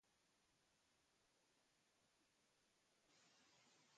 Esto va acompañado por ferias, danzas tradicionales, desfiles y pirotecnia.